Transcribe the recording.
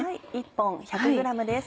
１本１００ｇです。